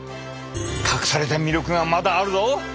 隠された魅力がまだあるぞ！